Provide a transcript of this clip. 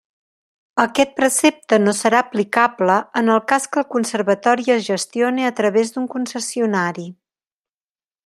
Aquest precepte no serà aplicable en el cas que el conservatori es gestione a través d'un concessionari.